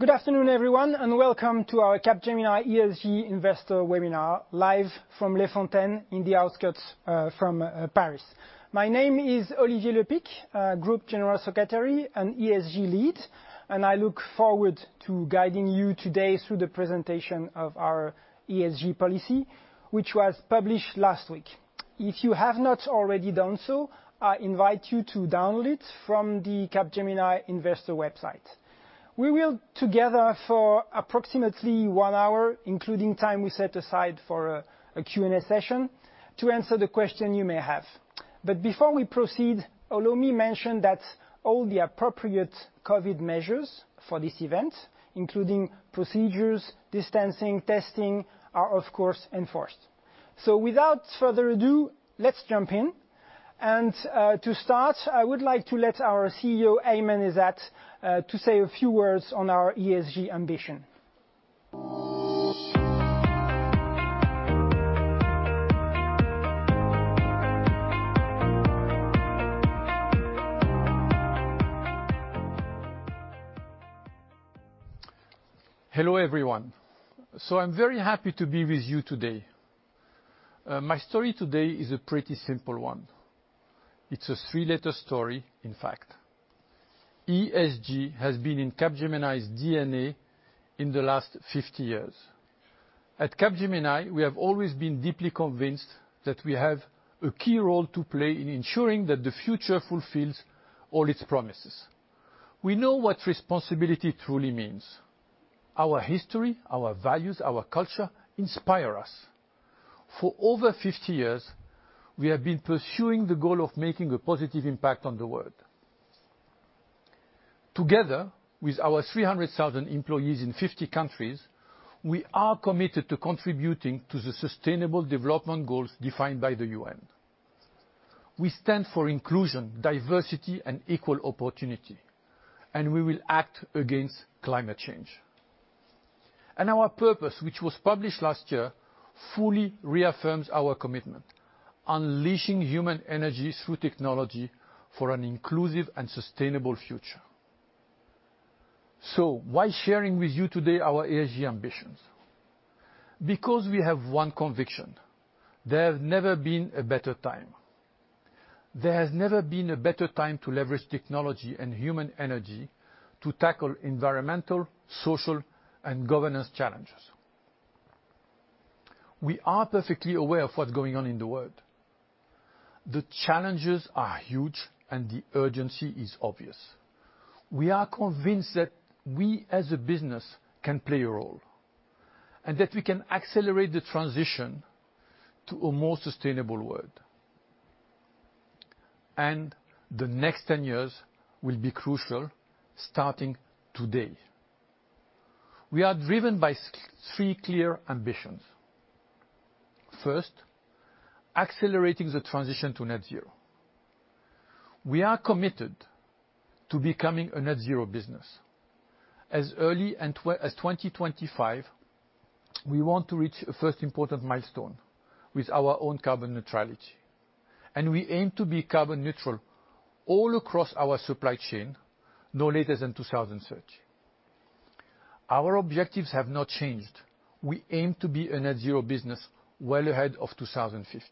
Good afternoon, everyone, and welcome to our Capgemini ESG Investor Webinar, live from Les Fontaines in the outskirts of Paris. My name is Olivier Lepick, Group General Secretary and ESG Lead, and I look forward to guiding you today through the presentation of our ESG policy, which was published last week. If you have not already done so, I invite you to download it from the Capgemini Investor website. We will, together, for approximately one hour, including time we set aside for a Q&A session, answer the questions you may have. Before we proceed, allow me to mention that all the appropriate COVID measures for this event, including procedures, distancing, and testing, are, of course, enforced. Without further ado, let's jump in. To start, I would like to let our CEO, Aiman Ezzat, say a few words on our ESG ambition. Hello, everyone. I'm very happy to be with you today. My story today is a pretty simple one. It's a three-letter story, in fact. ESG has been in Capgemini's DNA in the last 50 years. At Capgemini, we have always been deeply convinced that we have a key role to play in ensuring that the future fulfills all its promises. We know what responsibility truly means. Our history, our values, our culture inspire us. For over 50 years, we have been pursuing the goal of making a positive impact on the world. Together, with our 300,000 employees in 50 countries, we are committed to contributing to the Sustainable Development Goals defined by the UN. We stand for inclusion, diversity, and equal opportunity, and we will act against climate change. Our purpose, which was published last year, fully reaffirms our commitment: unleashing human energy through technology for an inclusive and sustainable future. Why share with you today our ESG ambitions? We have one conviction: there has never been a better time. There has never been a better time to leverage technology and human energy to tackle environmental, social, and governance challenges. We are perfectly aware of what's going on in the world. The challenges are huge, and the urgency is obvious. We are convinced that we, as a business, can play a role and that we can accelerate the transition to a more sustainable world. The next 10 years will be crucial, starting today. We are driven by three clear ambitions. First, accelerating the transition to net zero. We are committed to becoming a net zero business. As early as 2025, we want to reach a first important milestone with our own carbon neutrality. We aim to be carbon neutral all across our supply chain, no later than 2030. Our objectives have not changed. We aim to be a net zero business well ahead of 2050.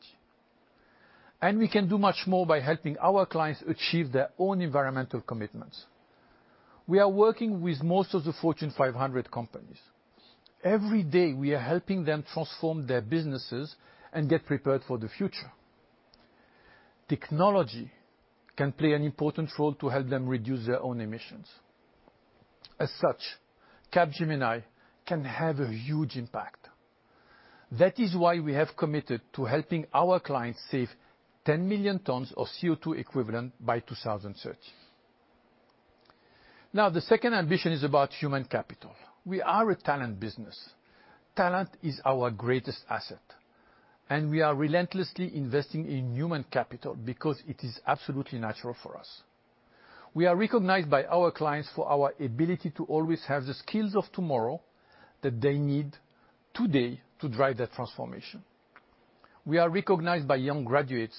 We can do much more by helping our clients achieve their own environmental commitments. We are working with most of the Fortune 500 companies. Every day, we are helping them transform their businesses and get prepared for the future. Technology can play an important role to help them reduce their own emissions. As such, Capgemini can have a huge impact. That is why we have committed to helping our clients save 10 million tons of CO2 equivalent by 2030. The second ambition is about human capital. We are a talent business. Talent is our greatest asset. We are relentlessly investing in human capital because it is absolutely natural for us. We are recognized by our clients for our ability to always have the skills of tomorrow that they need today to drive that transformation. We are recognized by young graduates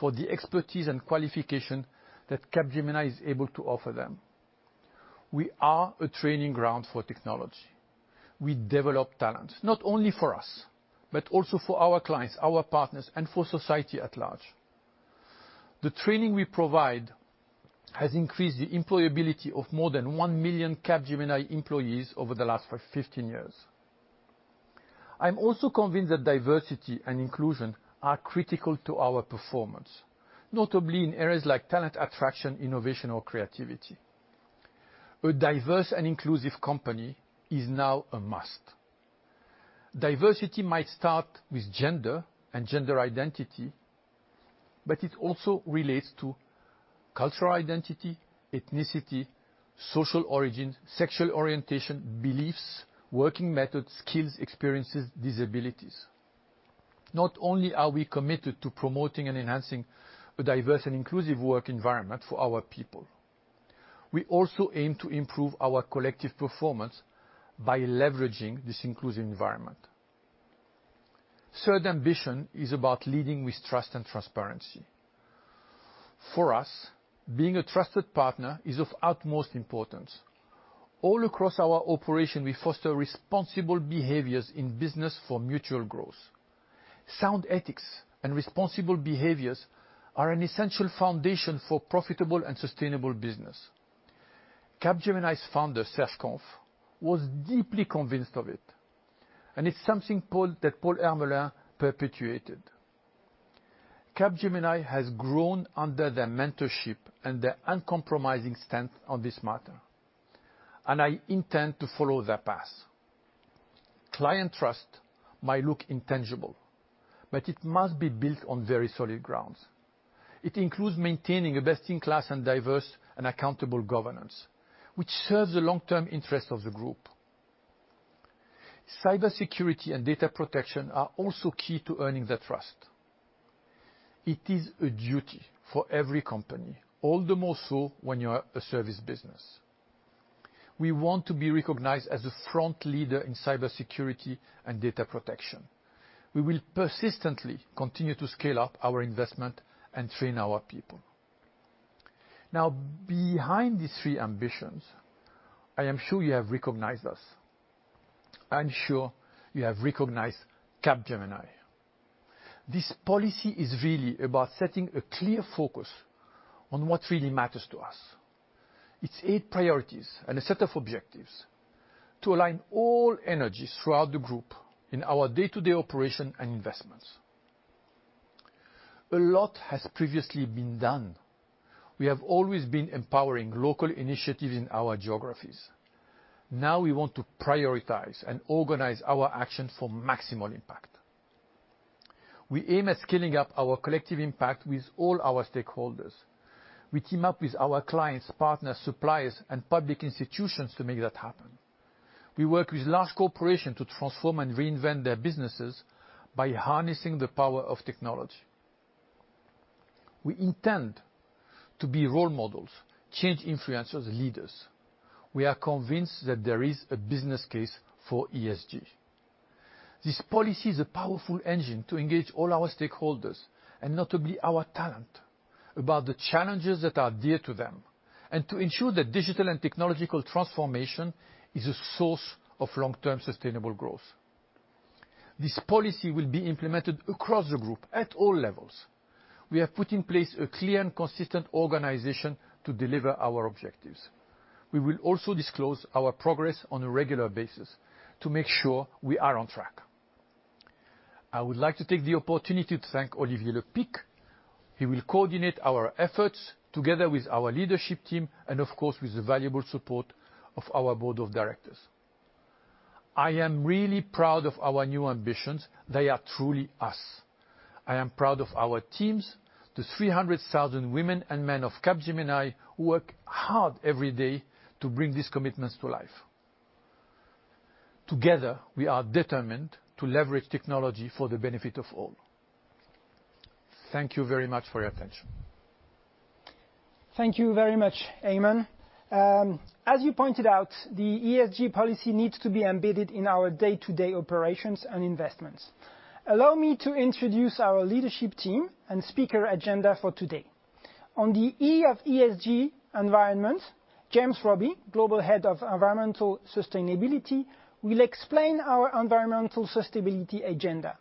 for the expertise and qualification that Capgemini is able to offer them. We are a training ground for technology. We develop talent, not only for us, but also for our clients, our partners, and for society at large. The training we provide has increased the employability of more than 1 million Capgemini employees over the last 15 years. I'm also convinced that diversity and inclusion are critical to our performance, notably in areas like talent attraction, innovation, or creativity. A diverse and inclusive company is now a must. Diversity might start with gender and gender identity, but it also relates to cultural identity, ethnicity, social origins, sexual orientation, beliefs, working methods, skills, experiences, disabilities. Not only are we committed to promoting and enhancing a diverse and inclusive work environment for our people, we also aim to improve our collective performance by leveraging this inclusive environment. Third ambition is about leading with trust and transparency. For us, being a trusted partner is of utmost importance. All across our operation, we foster responsible behaviors in business for mutual growth. Sound ethics and responsible behaviors are an essential foundation for profitable and sustainable business. Capgemini's founder, Serge Kampf, was deeply convinced of it, and it's something that Paul Hermelin perpetuated. Capgemini has grown under their mentorship and their uncompromising stance on this matter, and I intend to follow their path. Client trust might look intangible, but it must be built on very solid grounds. It includes maintaining a best-in-class and diverse and accountable governance, which serves the long-term interests of the group. Cybersecurity and data protection are also key to earning their trust. It is a duty for every company, all the more so when you're a service business. We want to be recognized as a front leader in cybersecurity and data protection. We will persistently continue to scale up our investment and train our people. Now, behind these three ambitions, I am sure you have recognized us. I'm sure you have recognized Capgemini. This policy is really about setting a clear focus on what really matters to us. It's eight priorities and a set of objectives to align all energies throughout the group in our day-to-day operation and investments. A lot has previously been done. We have always been empowering local initiatives in our geographies. Now, we want to prioritize and organize our actions for maximal impact. We aim at scaling up our collective impact with all our stakeholders. We team up with our clients, partners, suppliers, and public institutions to make that happen. We work with large corporations to transform and reinvent their businesses by harnessing the power of technology. We intend to be role models, change influencers, leaders. We are convinced that there is a business case for ESG. This policy is a powerful engine to engage all our stakeholders and notably our talent about the challenges that are dear to them and to ensure that digital and technological transformation is a source of long-term sustainable growth. This policy will be implemented across the group at all levels. We have put in place a clear and consistent organization to deliver our objectives. We will also disclose our progress on a regular basis to make sure we are on track. I would like to take the opportunity to thank Olivier Lepick. He will coordinate our efforts together with our leadership team and, of course, with the valuable support of our Board of Directors. I am really proud of our new ambitions. They are truly us. I am proud of our teams, the 300,000 women and men of Capgemini who work hard every day to bring these commitments to life. Together, we are determined to leverage technology for the benefit of all. Thank you very much for your attention. Thank you very much, Aiman. As you pointed out, the ESG policy needs to be embedded in our day-to-day operations and investments. Allow me to introduce our leadership team and speaker agenda for today. On the E of ESG environment, James Robey, Global Head of Environmental Sustainability, will explain our environmental sustainability agenda.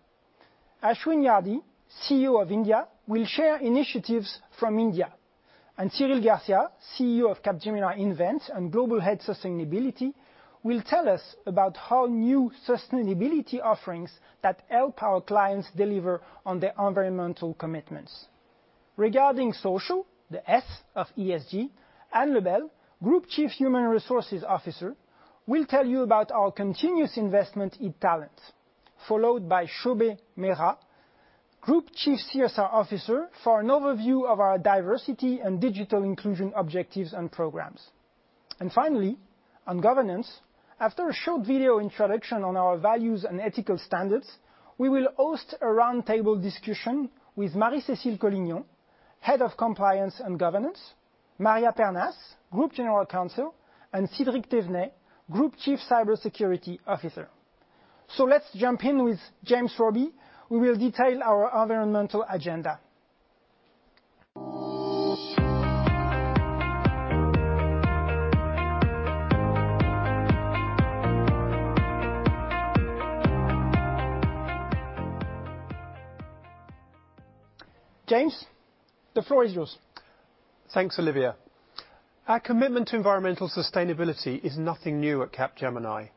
Ashwin Yardi, CEO of India, will share initiatives from India. Cyril Garcia, CEO of Capgemini Invent and Global Head of Sustainability, will tell us about how new sustainability offerings help our clients deliver on their environmental commitments. Regarding social, the S of ESG, Anne Lebel, Group Chief Human Resources Officer, will tell you about our continuous investment in talent, followed by Shobha Meera, Group Chief CSR Officer, for an overview of our diversity and digital inclusion objectives and programs. Finally, on governance, after a short video introduction on our values and ethical standards, we will host a roundtable discussion with Marie-Cécile Collignon, Head of Compliance and Governance, Maria Pernas, Group General Counsel, and Cédric Thévenet, Group Chief Cybersecurity Officer. Let's jump in with James Robey. We will detail our environmental agenda. James, the floor is yours. Thanks, Olivier. Our commitment to environmental sustainability is nothing new at Capgemini.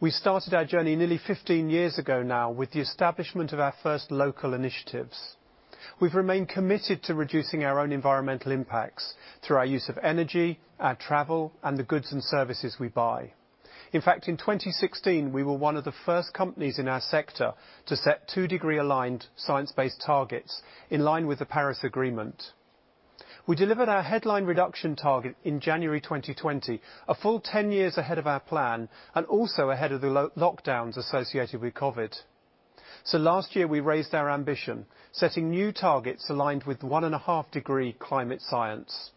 We started our journey nearly 15 years ago now with the establishment of our first local initiatives. We've remained committed to reducing our own environmental impacts through our use of energy, our travel, and the goods and services we buy. In fact, in 2016, we were one of the first companies in our sector to set two-degree-aligned science-based targets in line with the Paris Agreement. We delivered our headline reduction target in January 2020, a full 10 years ahead of our plan and also ahead of the lockdowns associated with COVID. Last year, we raised our ambition, setting new targets aligned with one and a half-degree climate science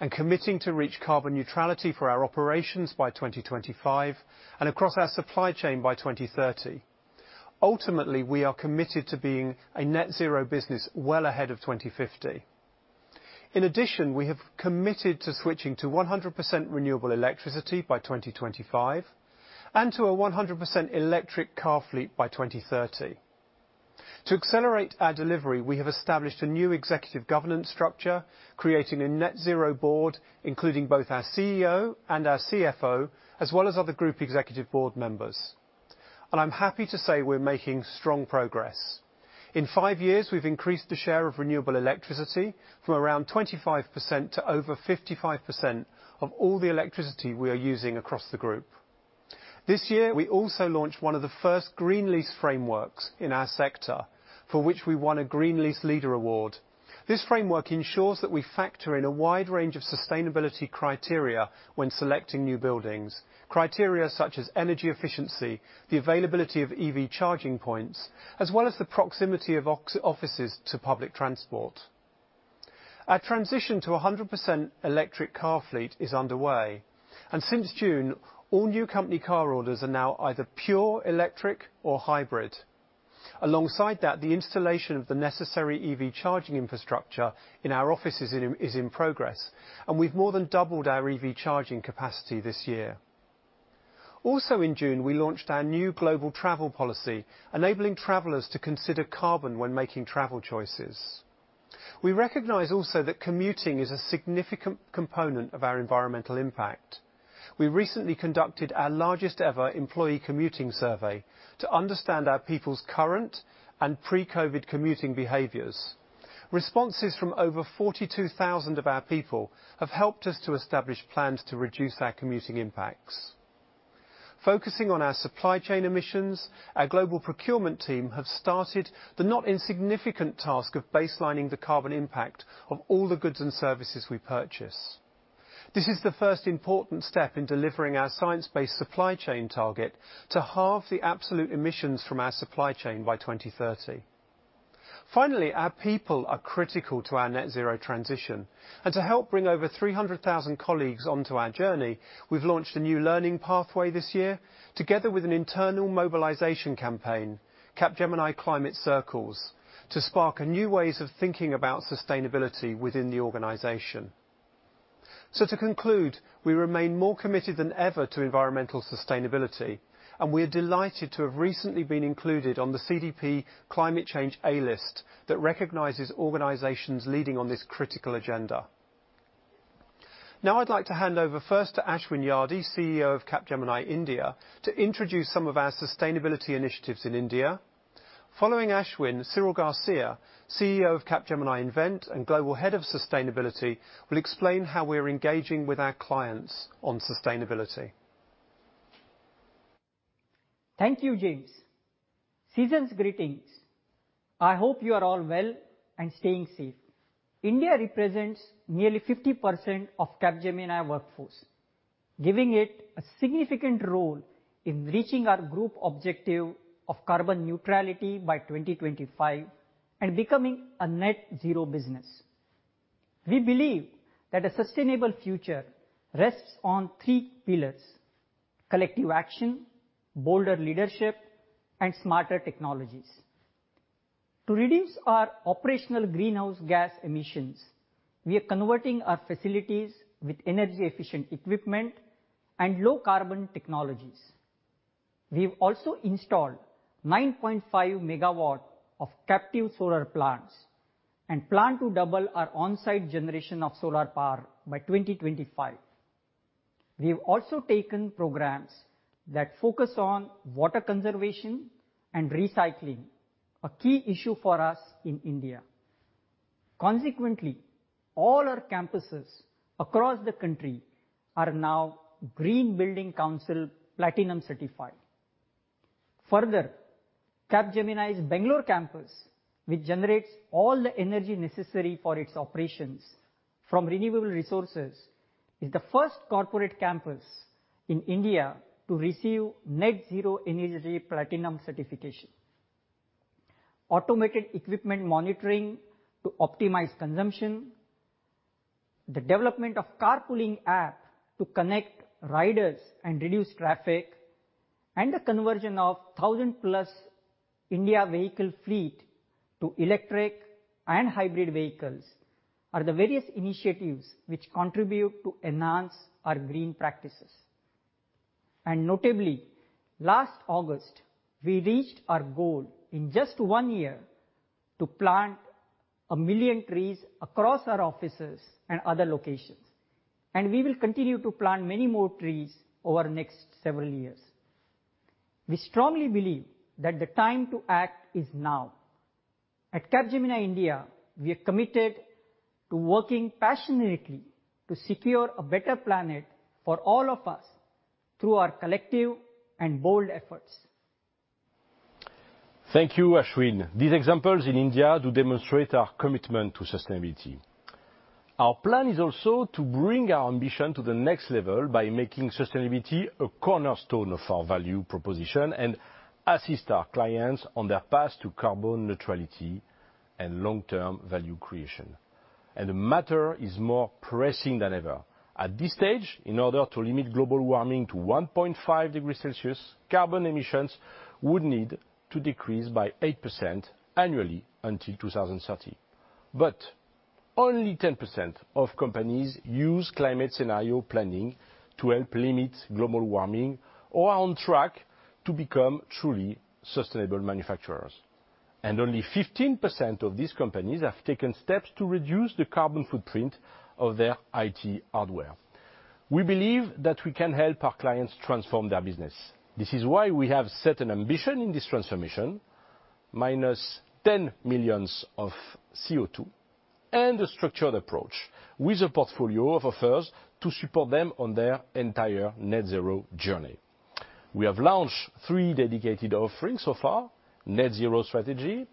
and committing to reach carbon neutrality for our operations by 2025 and across our supply chain by 2030. Ultimately, we are committed to being a net zero business well ahead of 2050. In addition, we have committed to switching to 100% renewable electricity by 2025 and to a 100% electric car fleet by 2030. To accelerate our delivery, we have established a new executive governance structure, creating a net zero board including both our CEO and our CFO, as well as other group executive board members. I am happy to say we are making strong progress. In five years, we have increased the share of renewable electricity from around 25% to over 55% of all the electricity we are using across the group. This year, we also launched one of the first green lease frameworks in our sector, for which we won a Green Lease Leader award. This framework ensures that we factor in a wide range of sustainability criteria when selecting new buildings, criteria such as energy efficiency, the availability of EV charging points, as well as the proximity of offices to public transport. Our transition to a 100% electric car fleet is underway. Since June, all new company car orders are now either pure electric or hybrid. Alongside that, the installation of the necessary EV charging infrastructure in our offices is in progress, and we've more than doubled our EV charging capacity this year. Also in June, we launched our new global travel policy, enabling travelers to consider carbon when making travel choices. We recognize also that commuting is a significant component of our environmental impact. We recently conducted our largest ever employee commuting survey to understand our people's current and pre-COVID commuting behaviors. Responses from over 42,000 of our people have helped us to establish plans to reduce our commuting impacts. Focusing on our supply chain emissions, our global procurement team have started the not insignificant task of baselining the carbon impact of all the goods and services we purchase. This is the first important step in delivering our science-based supply chain target to halve the absolute emissions from our supply chain by 2030. Finally, our people are critical to our net zero transition. To help bring over 300,000 colleagues onto our journey, we've launched a new learning pathway this year together with an internal mobilization campaign, Capgemini Climate Circles, to spark new ways of thinking about sustainability within the organization. To conclude, we remain more committed than ever to environmental sustainability, and we are delighted to have recently been included on the CDP Climate Change A List that recognizes organizations leading on this critical agenda. Now, I'd like to hand over first to Ashwin Yardi, CEO of Capgemini India, to introduce some of our sustainability initiatives in India. Following Ashwin, Cyril Garcia, CEO of Capgemini Invent and Global Head of Sustainability, will explain how we're engaging with our clients on sustainability. Thank you, James. Season's greetings. I hope you are all well and staying safe. India represents nearly 50% of Capgemini workforce, giving it a significant role in reaching our group objective of carbon neutrality by 2025 and becoming a net zero business. We believe that a sustainable future rests on three pillars: collective action, bolder leadership, and smarter technologies. To reduce our operational greenhouse gas emissions, we are converting our facilities with energy-efficient equipment and low-carbon technologies. We've also installed 9.5 MW of captive solar plants and plan to double our on-site generation of solar power by 2025. We've also taken programs that focus on water conservation and recycling, a key issue for us in India. Consequently, all our campuses across the country are now Green Building Council Platinum certified. Further, Capgemini's Bangalore campus, which generates all the energy necessary for its operations from renewable resources, is the first corporate campus in India to receive Net Zero Energy Platinum certification. Automated equipment monitoring to optimize consumption, the development of a carpooling app to connect riders and reduce traffic, and the conversion of a 1,000+ India vehicle fleet to electric and hybrid vehicles are the various initiatives which contribute to enhance our green practices. Notably, last August, we reached our goal in just one year to plant 1 million trees across our offices and other locations. We will continue to plant many more trees over the next several years. We strongly believe that the time to act is now. At Capgemini India, we are committed to working passionately to secure a better planet for all of us through our collective and bold efforts. Thank you, Ashwin. These examples in India do demonstrate our commitment to sustainability. Our plan is also to bring our ambition to the next level by making sustainability a cornerstone of our value proposition and assist our clients on their path to carbon neutrality and long-term value creation. The matter is more pressing than ever. At this stage, in order to limit global warming to 1.5 degrees Celsius, carbon emissions would need to decrease by 8% annually until 2030. Only 10% of companies use climate scenario planning to help limit global warming or are on track to become truly sustainable manufacturers. Only 15% of these companies have taken steps to reduce the carbon footprint of their IT hardware. We believe that we can help our clients transform their business. This is why we have set an ambition in this transformation: -10 million of CO2 and a structured approach with a portfolio of offers to support them on their entire net zero journey. We have launched three dedicated offerings so far: Net Zero Strategy,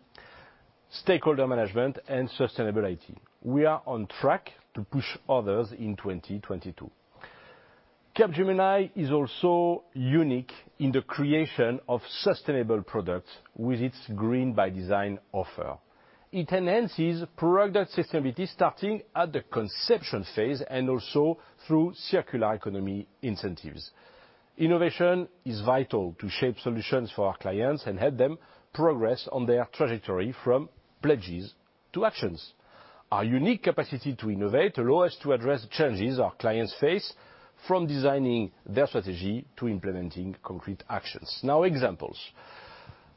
stakeholder management, and sustainability. We are on track to push others in 2022. Capgemini is also unique in the creation of sustainable products with its Green by Design offer. It enhances product sustainability starting at the conception phase and also through circular economy incentives. Innovation is vital to shape solutions for our clients and help them progress on their trajectory from pledges to actions. Our unique capacity to innovate allows us to address the challenges our clients face from designing their strategy to implementing concrete actions. Now, examples.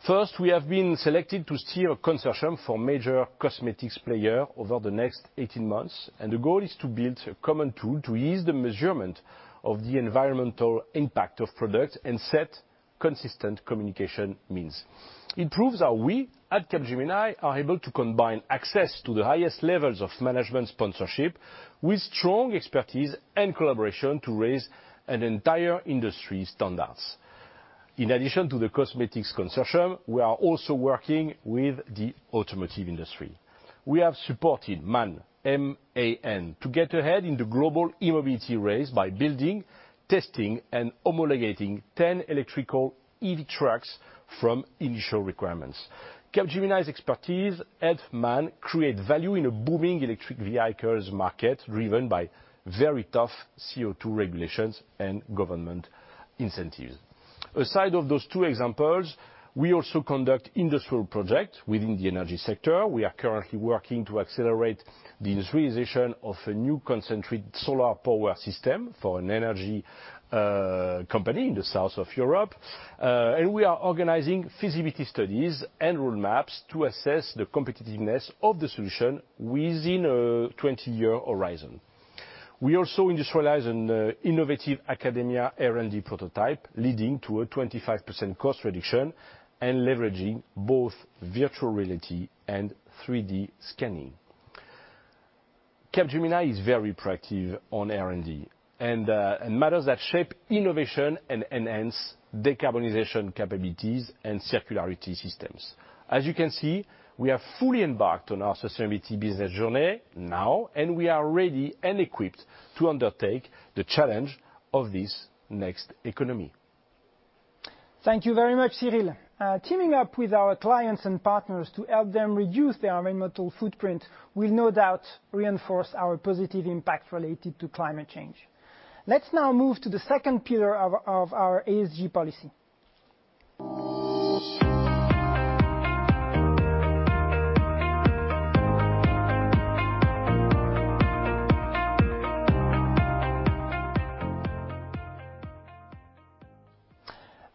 First, we have been selected to steer a consortium for major cosmetics players over the next 18 months. The goal is to build a common tool to ease the measurement of the environmental impact of products and set consistent communication means. It proves how we at Capgemini are able to combine access to the highest levels of management sponsorship with strong expertise and collaboration to raise an entire industry standards. In addition to the cosmetics consortium, we are also working with the automotive industry. We MAN to get ahead in the global e-mobility race by building, testing, and homologating 10 electrical EV trucks from initial requirements. MAN create value in a booming electric vehicles market driven by very tough CO2 regulations and government incentives. Aside from those two examples, we also conduct industrial projects within the energy sector. We are currently working to accelerate the industrialization of a new concentrated solar power system for an energy company in the south of Europe. We are organizing feasibility studies and roadmaps to assess the competitiveness of the solution within a 20-year horizon. We also industrialize an innovative academia R&D prototype leading to a 25% cost reduction and leveraging both virtual reality and 3D scanning. Capgemini is very proactive on R&D and matters that shape innovation and enhance decarbonization capabilities and circularity systems. As you can see, we have fully embarked on our sustainability business journey now, and we are ready and equipped to undertake the challenge of this next economy. Thank you very much, Cyril. Teaming up with our clients and partners to help them reduce their environmental footprint will no doubt reinforce our positive impact related to climate change. Let's now move to the second pillar of our ESG policy.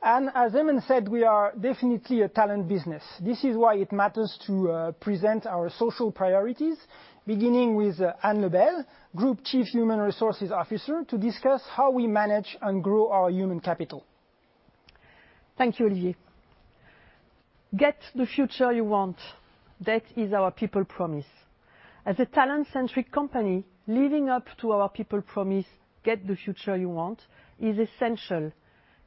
As Aiman said, we are definitely a talent business. This is why it matters to present our social priorities, beginning with Anne Lebel, Group Chief Human Resources Officer, to discuss how we manage and grow our human capital. Thank you, Olivier. Get the future you want. That is our people promise. As a talent-centric company, living up to our people promise, get the future you want, is essential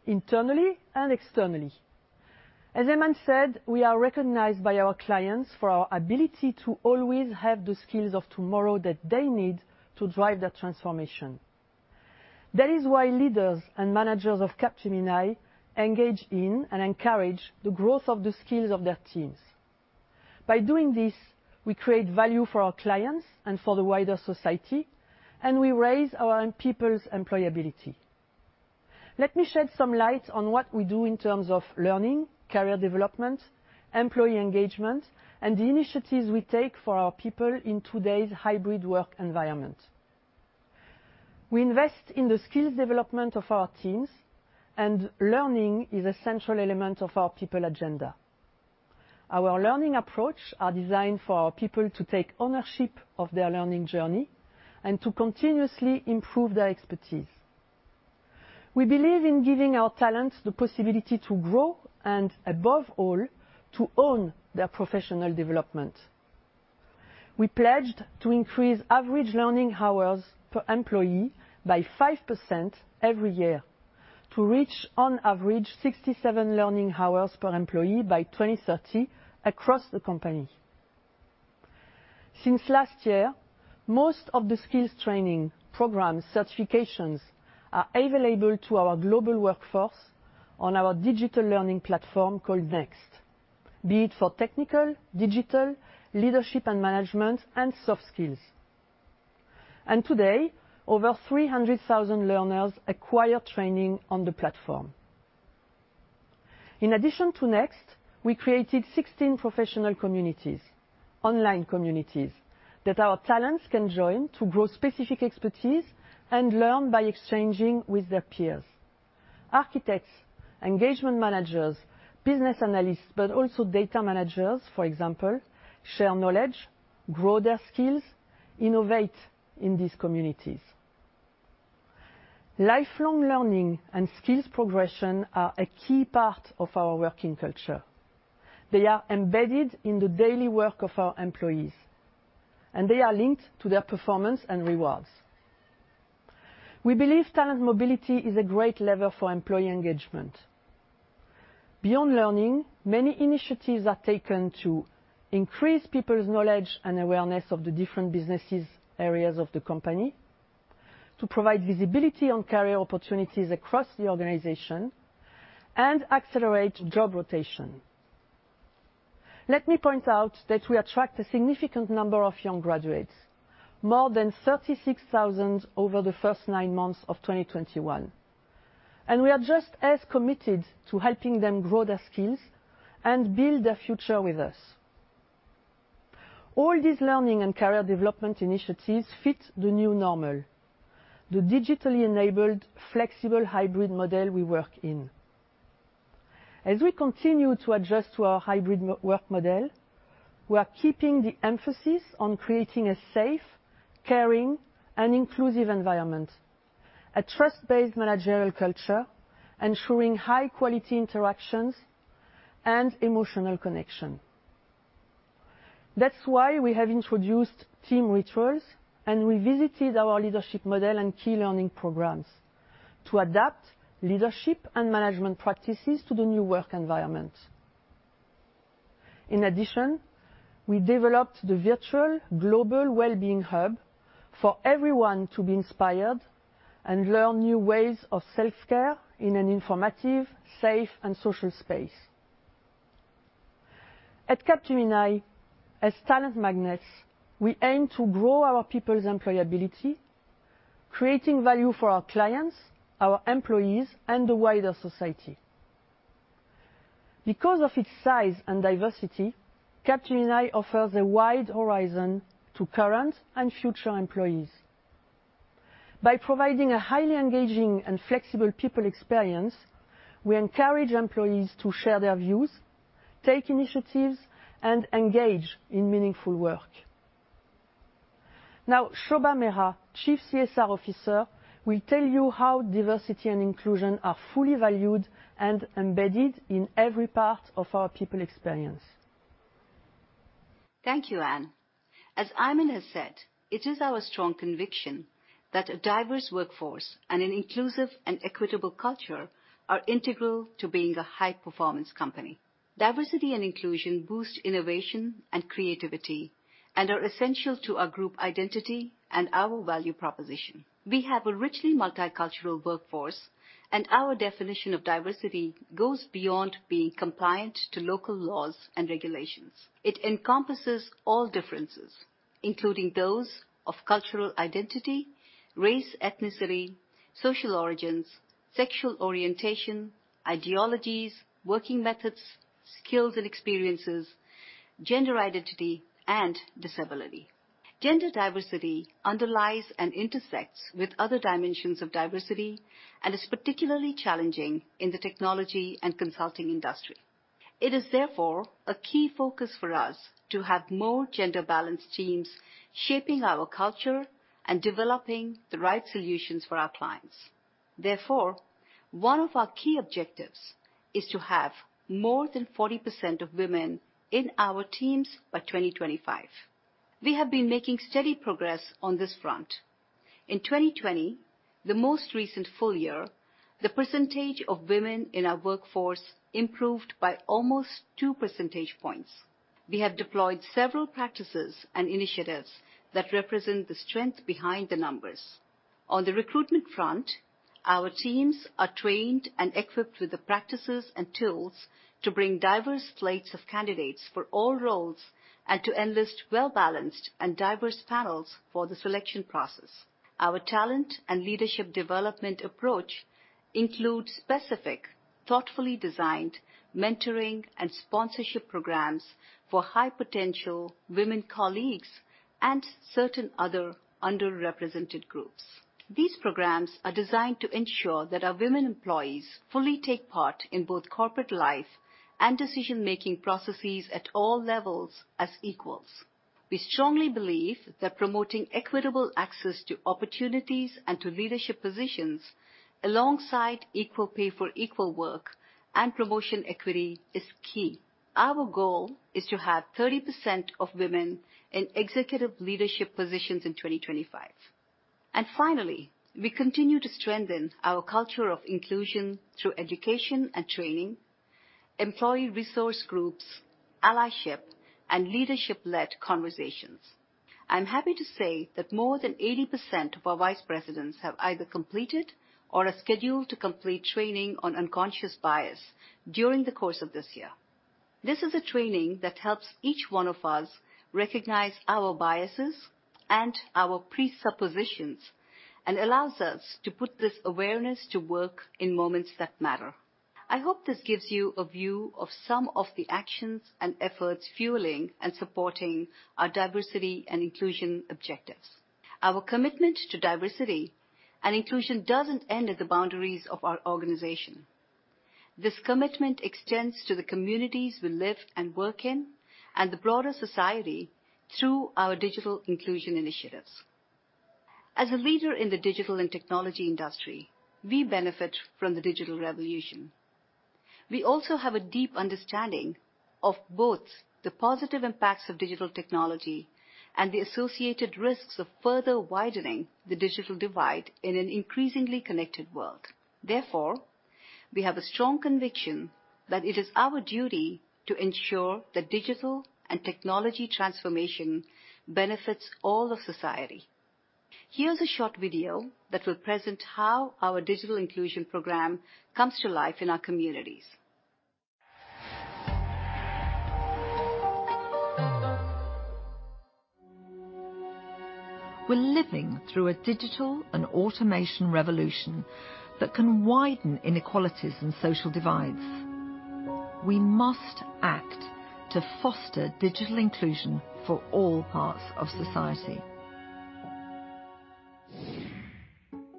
internally and externally. As Aiman said, we are recognized by our clients for our ability to always have the skills of tomorrow that they need to drive that transformation. That is why leaders and managers of Capgemini engage in and encourage the growth of the skills of their teams. By doing this, we create value for our clients and for the wider society, and we raise our people's employability. Let me shed some light on what we do in terms of learning, career development, employee engagement, and the initiatives we take for our people in today's hybrid work environment. We invest in the skills development of our teams, and learning is a central element of our people agenda. Our learning approaches are designed for our people to take ownership of their learning journey and to continuously improve their expertise. We believe in giving our talents the possibility to grow and, above all, to own their professional development. We pledged to increase average learning hours per employee by 5% every year to reach, on average, 67 learning hours per employee by 2030 across the company. Since last year, most of the skills training programs, certifications are available to our global workforce on our digital learning platform called Next, be it for technical, digital, leadership and management, and soft skills. Today, over 300,000 learners acquire training on the platform. In addition to Next, we created 16 professional communities, online communities, that our talents can join to grow specific expertise and learn by exchanging with their peers. Architects, engagement managers, business analysts, but also data managers, for example, share knowledge, grow their skills, and innovate in these communities. Lifelong learning and skills progression are a key part of our working culture. They are embedded in the daily work of our employees, and they are linked to their performance and rewards. We believe talent mobility is a great lever for employee engagement. Beyond learning, many initiatives are taken to increase people's knowledge and awareness of the different business areas of the company, to provide visibility on career opportunities across the organization, and accelerate job rotation. Let me point out that we attract a significant number of young graduates, more than 36,000 over the first nine months of 2021. We are just as committed to helping them grow their skills and build their future with us. All these learning and career development initiatives fit the new normal, the digitally enabled flexible hybrid model we work in. As we continue to adjust to our hybrid work model, we are keeping the emphasis on creating a safe, caring, and inclusive environment, a trust-based managerial culture, ensuring high-quality interactions and emotional connection. That's why we have introduced team rituals and revisited our leadership model and key learning programs to adapt leadership and management practices to the new work environment. In addition, we developed the virtual global well-being hub for everyone to be inspired and learn new ways of self-care in an informative, safe, and social space. At Capgemini, as talent magnets, we aim to grow our people's employability, creating value for our clients, our employees, and the wider society. Because of its size and diversity, Capgemini offers a wide horizon to current and future employees. By providing a highly engaging and flexible people experience, we encourage employees to share their views, take initiatives, and engage in meaningful work. Now, Shobha Meera, Chief CSR Officer, will tell you how diversity and inclusion are fully valued and embedded in every part of our people experience. Thank you, Anne. As Aiman has said, it is our strong conviction that a diverse workforce and an inclusive and equitable culture are integral to being a high-performance company. Diversity and inclusion boost innovation and creativity and are essential to our group identity and our value proposition. We have a richly multicultural workforce, and our definition of diversity goes beyond being compliant to local laws and regulations. It encompasses all differences, including those of cultural identity, race, ethnicity, social origins, sexual orientation, ideologies, working methods, skills and experiences, gender identity, and disability. Gender diversity underlies and intersects with other dimensions of diversity and is particularly challenging in the technology and consulting industry. It is therefore a key focus for us to have more gender-balanced teams shaping our culture and developing the right solutions for our clients. Therefore, one of our key objectives is to have more than 40% of women in our teams by 2025. We have been making steady progress on this front. In 2020, the most recent full year, the percentage of women in our workforce improved by almost 2 percentage points. We have deployed several practices and initiatives that represent the strength behind the numbers. On the recruitment front, our teams are trained and equipped with the practices and tools to bring diverse slates of candidates for all roles and to enlist well-balanced and diverse panels for the selection process. Our talent and leadership development approach includes specific, thoughtfully designed mentoring and sponsorship programs for high-potential women colleagues and certain other underrepresented groups. These programs are designed to ensure that our women employees fully take part in both corporate life and decision-making processes at all levels as equals. We strongly believe that promoting equitable access to opportunities and to leadership positions alongside equal pay for equal work and promotion equity is key. Our goal is to have 30% of women in executive leadership positions in 2025. We continue to strengthen our culture of inclusion through education and training, employee resource groups, allyship, and leadership-led conversations. I'm happy to say that more than 80% of our vice presidents have either completed or are scheduled to complete training on unconscious bias during the course of this year. This is a training that helps each one of us recognize our biases and our presuppositions and allows us to put this awareness to work in moments that matter. I hope this gives you a view of some of the actions and efforts fueling and supporting our diversity and inclusion objectives. Our commitment to diversity and inclusion does not end at the boundaries of our organization. This commitment extends to the communities we live and work in and the broader society through our digital inclusion initiatives. As a leader in the digital and technology industry, we benefit from the digital revolution. We also have a deep understanding of both the positive impacts of digital technology and the associated risks of further widening the digital divide in an increasingly connected world. Therefore, we have a strong conviction that it is our duty to ensure that digital and technology transformation benefits all of society. Here is a short video that will present how our digital inclusion program comes to life in our communities. We're living through a digital and automation revolution that can widen inequalities and social divides. We must act to foster digital inclusion for all parts of society.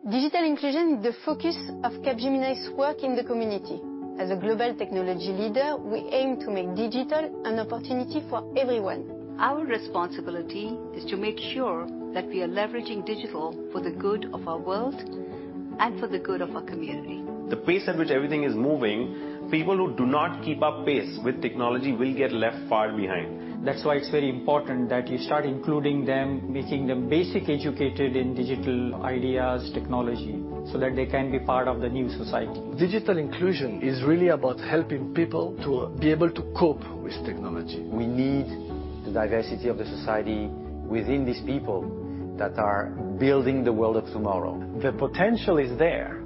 Digital inclusion is the focus of Capgemini's work in the community. As a global technology leader, we aim to make digital an opportunity for everyone. Our responsibility is to make sure that we are leveraging digital for the good of our world and for the good of our community. The pace at which everything is moving, people who do not keep up pace with technology will get left far behind. That's why it's very important that you start including them, making them basically educated in digital ideas, technology, so that they can be part of the new society. Digital inclusion is really about helping people to be able to cope with technology. We need the diversity of the society within these people that are building the world of tomorrow. The potential is there,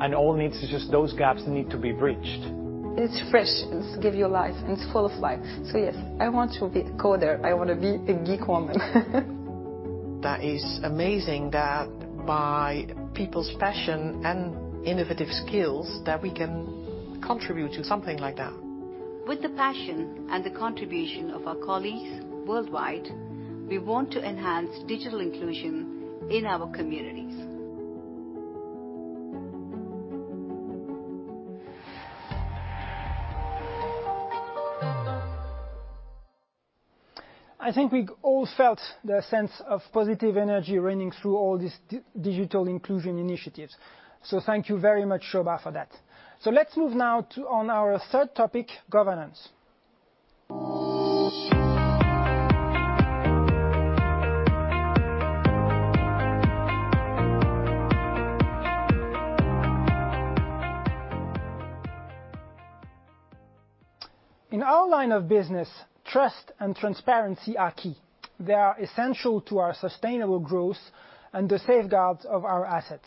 and all needs to just those gaps need to be bridged. It's fresh. It gives you life, and it's full of life. Yes, I want to be a coder. I want to be a geek woman. That is amazing that by people's passion and innovative skills that we can contribute to something like that. With the passion and the contribution of our colleagues worldwide, we want to enhance digital inclusion in our communities. I think we all felt the sense of positive energy running through all these digital inclusion initiatives. Thank you very much, Shobha, for that. Let's move now to our third topic, governance. In our line of business, trust and transparency are key. They are essential to our sustainable growth and the safeguards of our assets.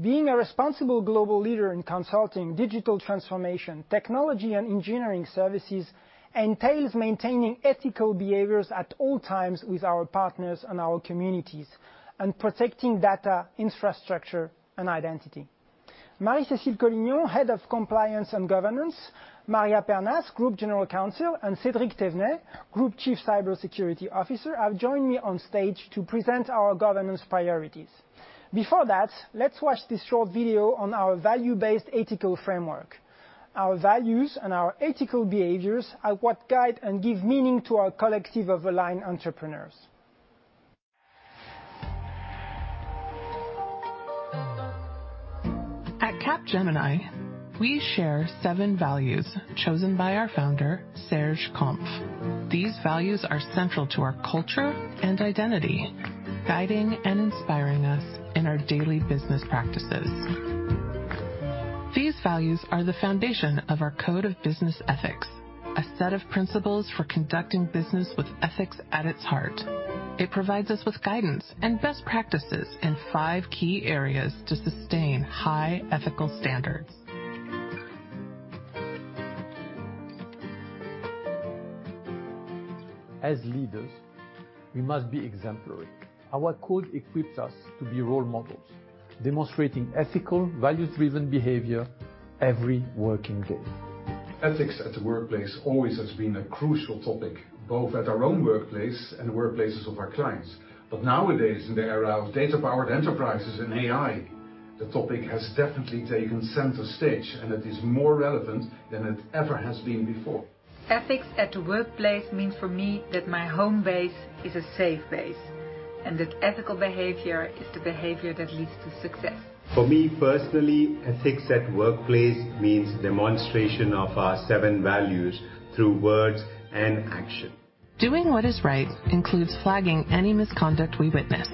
Being a responsible global leader in consulting, digital transformation, technology, and engineering services entails maintaining ethical behaviors at all times with our partners and our communities and protecting data, infrastructure, and identity. Marie-Cécile Collignon, Head of Compliance and Governance, Maria Pernas, Group General Counsel, and Cédric Thévenet, Group Chief Cybersecurity Officer, have joined me on stage to present our governance priorities. Before that, let's watch this short video on our value-based ethical framework. Our values and our ethical behaviors are what guide and give meaning to our collective of aligned entrepreneurs. At Capgemini, we share seven values chosen by our founder, Serge Kampf. These values are central to our culture and identity, guiding and inspiring us in our daily business practices. These values are the foundation of our code of business ethics, a set of principles for conducting business with ethics at its heart. It provides us with guidance and best practices in five key areas to sustain high ethical standards. As leaders, we must be exemplary. Our code equips us to be role models, demonstrating ethical, values-driven behavior every working day. Ethics at the workplace always has been a crucial topic, both at our own workplace and the workplaces of our clients. Nowadays, in the era of data-powered enterprises and AI, the topic has definitely taken center stage, and it is more relevant than it ever has been before. Ethics at the workplace means for me that my home base is a safe base and that ethical behavior is the behavior that leads to success. For me personally, ethics at the workplace means demonstration of our seven values through words and action. Doing what is right includes flagging any misconduct we witness.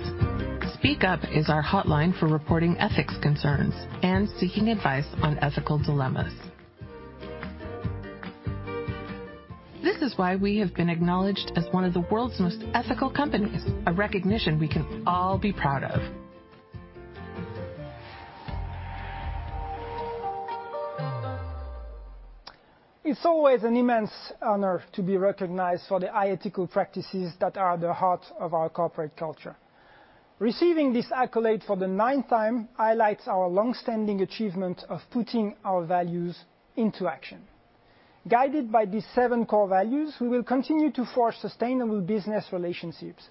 Speak Up is our hotline for reporting ethics concerns and seeking advice on ethical dilemmas. This is why we have been acknowledged as one of the world's most ethical companies, a recognition we can all be proud of. It's always an immense honor to be recognized for the ethical practices that are at the heart of our corporate culture. Receiving this accolade for the ninth time highlights our long-standing achievement of putting our values into action. Guided by these seven core values, we will continue to forge sustainable business relationships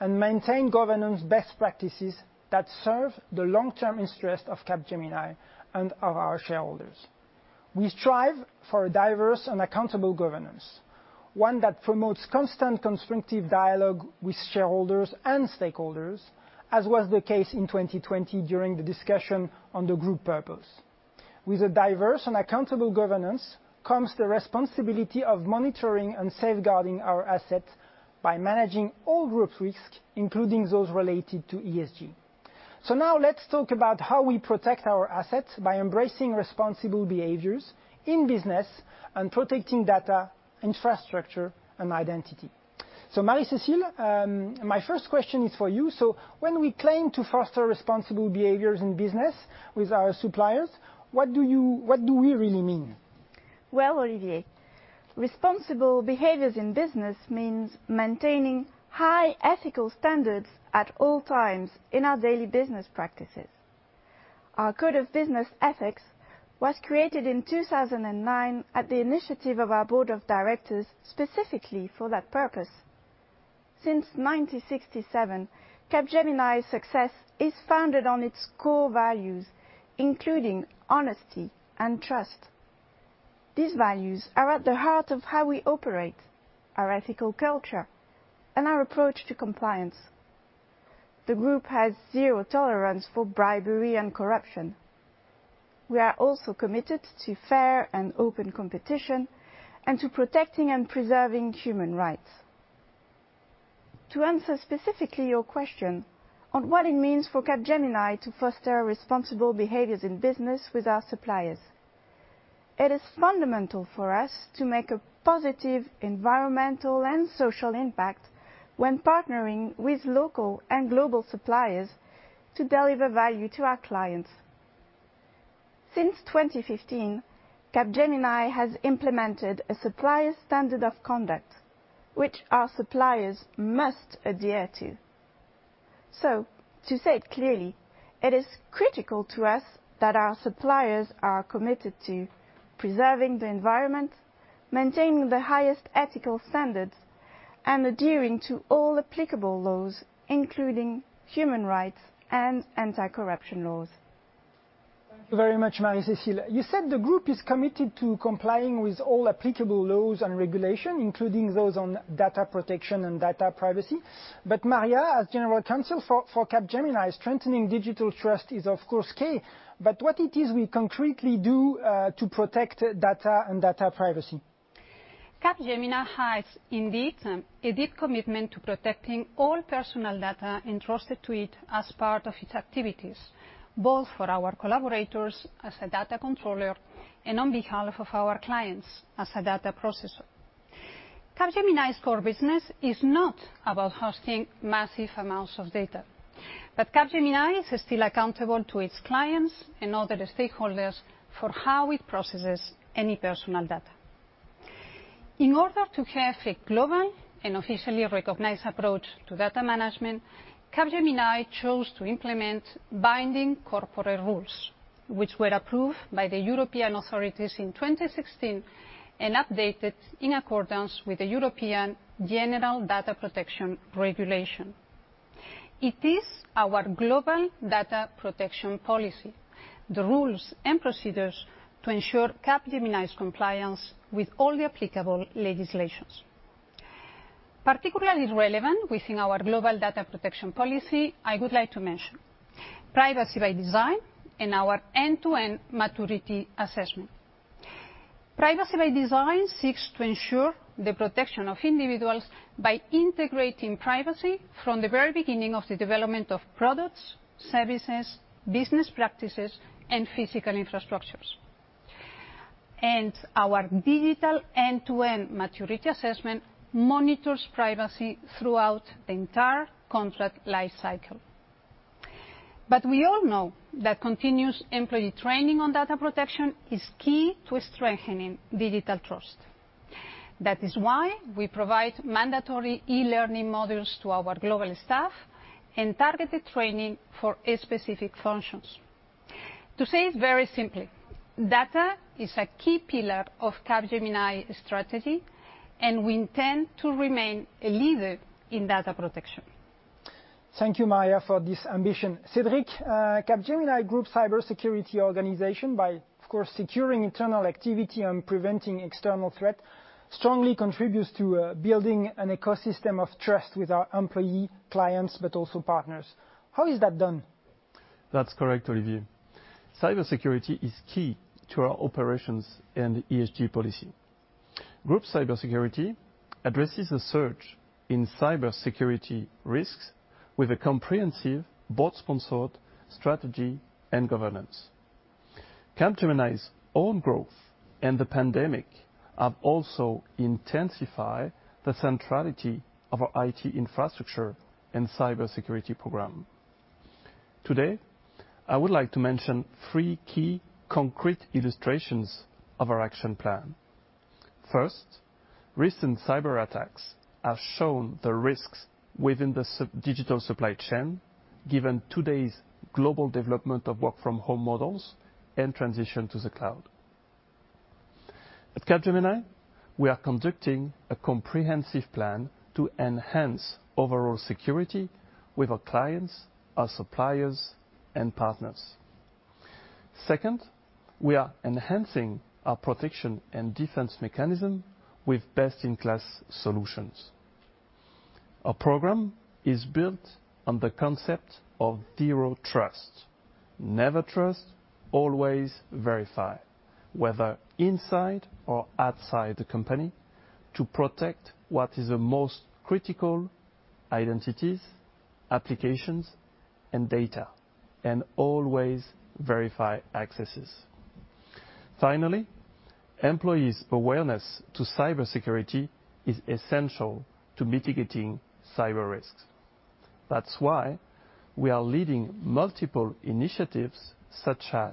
and maintain governance best practices that serve the long-term interests of Capgemini and of our shareholders. We strive for a diverse and accountable governance, one that promotes constant constructive dialogue with shareholders and stakeholders, as was the case in 2020 during the discussion on the group purpose. With a diverse and accountable governance comes the responsibility of monitoring and safeguarding our assets by managing all group risks, including those related to ESG. Now let's talk about how we protect our assets by embracing responsible behaviors in business and protecting data, infrastructure, and identity. Marie-Cécile, my first question is for you. When we claim to foster responsible behaviors in business with our suppliers, what do we really mean? Olivier, responsible behaviors in business means maintaining high ethical standards at all times in our daily business practices. Our code of business ethics was created in 2009 at the initiative of our board of directors specifically for that purpose. Since 1967, Capgemini's success is founded on its core values, including honesty and trust. These values are at the heart of how we operate, our ethical culture, and our approach to compliance. The group has zero tolerance for bribery and corruption. We are also committed to fair and open competition and to protecting and preserving human rights. To answer specifically your question on what it means for Capgemini to foster responsible behaviors in business with our suppliers, it is fundamental for us to make a positive environmental and social impact when partnering with local and global suppliers to deliver value to our clients. Since 2015, Capgemini has implemented a supplier standard of conduct, which our suppliers must adhere to. To say it clearly, it is critical to us that our suppliers are committed to preserving the environment, maintaining the highest ethical standards, and adhering to all applicable laws, including human rights and anti-corruption laws. Thank you very much, Marie-Cécile. You said the group is committed to complying with all applicable laws and regulations, including those on data protection and data privacy. Maria, as General Counsel for Capgemini, strengthening digital trust is, of course, key. What is it we concretely do to protect data and data privacy? Capgemini has, indeed, a deep commitment to protecting all personal data entrusted to it as part of its activities, both for our collaborators as a data controller and on behalf of our clients as a data processor. Capgemini's core business is not about hosting massive amounts of data, but Capgemini is still accountable to its clients and other stakeholders for how it processes any personal data. In order to have a global and officially recognized approach to data management, Capgemini chose to implement Binding Corporate Rules, which were approved by the European authorities in 2016 and updated in accordance with the European General Data Protection Regulation. It is our global data protection policy, the rules and procedures to ensure Capgemini's compliance with all the applicable legislations. Particularly relevant within our global data protection policy, I would like to mention Privacy by Design and our end-to-end maturity assessment. Privacy by Design seeks to ensure the protection of individuals by integrating privacy from the very beginning of the development of products, services, business practices, and physical infrastructures. Our digital end-to-end maturity assessment monitors privacy throughout the entire contract lifecycle. We all know that continuous employee training on data protection is key to strengthening digital trust. That is why we provide mandatory e-learning modules to our global staff and targeted training for specific functions. To say it very simply, data is a key pillar of Capgemini's strategy, and we intend to remain a leader in data protection. Thank you, Maria, for this ambition. Cédric, Capgemini Group Cybersecurity Organization, by, of course, securing internal activity and preventing external threat, strongly contributes to building an ecosystem of trust with our employees, clients, but also partners. How is that done? That's correct, Olivier. Cybersecurity is key to our operations and ESG policy. Group Cybersecurity addresses the surge in cybersecurity risks with a comprehensive, board-sponsored strategy and governance. Capgemini's own growth and the pandemic have also intensified the centrality of our IT infrastructure and cybersecurity program. Today, I would like to mention three key concrete illustrations of our action plan. First, recent cyberattacks have shown the risks within the digital supply chain, given today's global development of work-from-home models and transition to the cloud. At Capgemini, we are conducting a comprehensive plan to enhance overall security with our clients, our suppliers, and partners. Second, we are enhancing our protection and defense mechanism with best-in-class solutions. Our program is built on the concept of Zero Trust: never trust, always verify, whether inside or outside the company, to protect what is the most critical: identities, applications, and data, and always verify accesses. Finally, employees' awareness to cybersecurity is essential to mitigating cyber risks. That's why we are leading multiple initiatives such as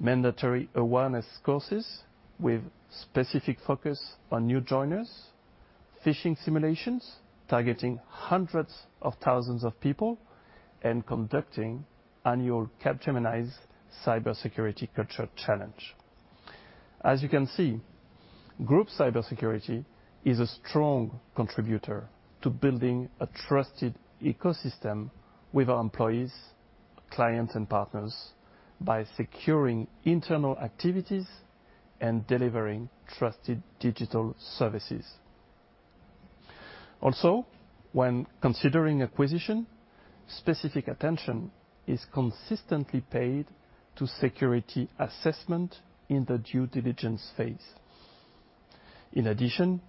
mandatory awareness courses with specific focus on new joiners, phishing simulations targeting hundreds of thousands of people, and conducting annual Capgemini's Cybersecurity Culture Challenge. As you can see, Group Cybersecurity is a strong contributor to building a trusted ecosystem with our employees, clients, and partners by securing internal activities and delivering trusted digital services. Also, when considering acquisition, specific attention is consistently paid to security assessment in the due diligence phase. In addition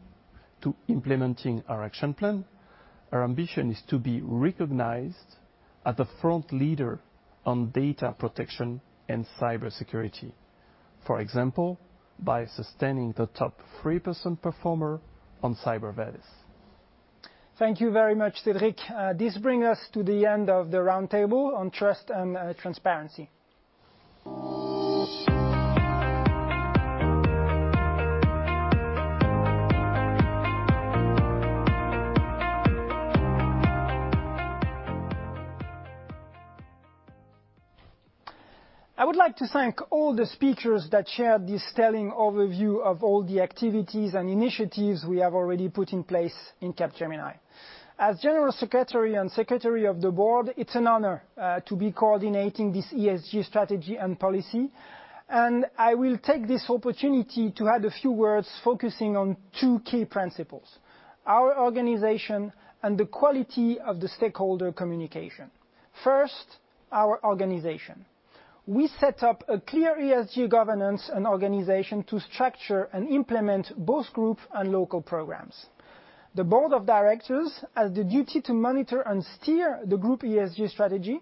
to implementing our action plan, our ambition is to be recognized as a front leader on data protection and cybersecurity, for example, by sustaining the top 3% performer on CyberVadis. Thank you very much, Cédric. This brings us to the end of the roundtable on trust and transparency. I would like to thank all the speakers that shared this telling overview of all the activities and initiatives we have already put in place in Capgemini. As General Secretary and Secretary of the Board, it's an honor to be coordinating this ESG strategy and policy. I will take this opportunity to add a few words focusing on two key principles: our organization and the quality of the stakeholder communication. First, our organization. We set up a clear ESG governance and organization to structure and implement both group and local programs. The Board of Directors has the duty to monitor and steer the group ESG strategy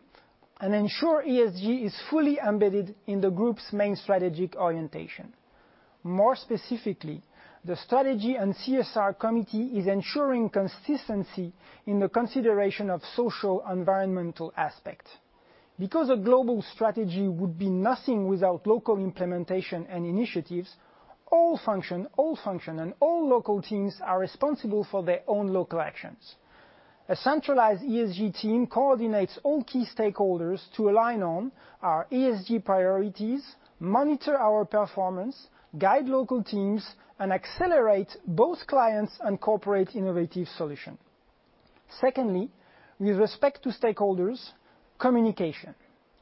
and ensure ESG is fully embedded in the group's main strategic orientation. More specifically, the strategy and CSR committee is ensuring consistency in the consideration of social environmental aspects. Because a global strategy would be nothing without local implementation and initiatives, all function, and all local teams are responsible for their own local actions. A centralized ESG team coordinates all key stakeholders to align on our ESG priorities, monitor our performance, guide local teams, and accelerate both clients and corporate innovative solutions. Secondly, with respect to stakeholders, communication.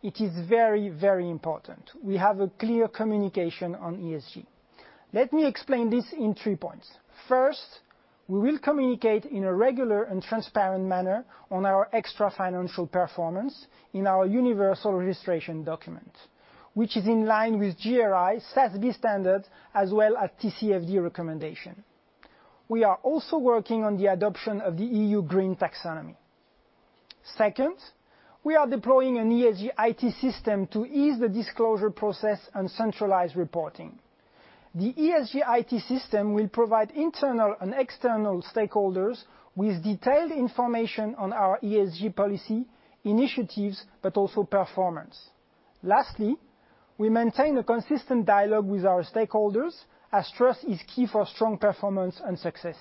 It is very, very important. We have a clear communication on ESG. Let me explain this in three points. First, we will communicate in a regular and transparent manner on our extra financial performance in our universal registration document, which is in line with GRI, SASB standards, as well as TCFD recommendation. We are also working on the adoption of the EU Green Taxonomy. Second, we are deploying an ESG IT system to ease the disclosure process and centralized reporting. The ESG IT system will provide internal and external stakeholders with detailed information on our ESG policy, initiatives, but also performance. Lastly, we maintain a consistent dialogue with our stakeholders as trust is key for strong performance and success.